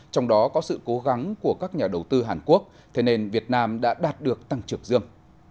trong đó có sự cố gắng của các nhà đầu tư hàn quốc thế nên việt nam đã đạt được tăng trưởng dương